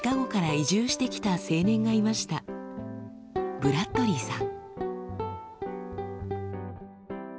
ブラッドリーさん。